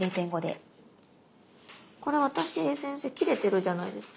これ私先生切れてるじゃないですか。